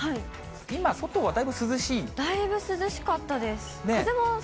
今、だいぶ涼しかったです。